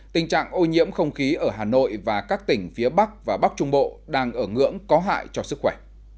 tình trạng ô nhiễm không khí ở hà nội và các tỉnh phía bắc và bắc trung bộ đang ở ngưỡng có hại cho sức khỏe